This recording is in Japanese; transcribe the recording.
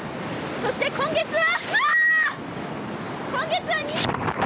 そして今月は。